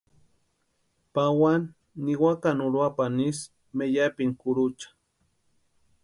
Pawani niwakani Uruapani isï meyapini kurucha.